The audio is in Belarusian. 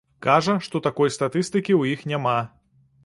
Кажа, што такой статыстыкі ў іх няма.